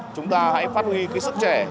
chúng ta hãy phát huy sức trẻ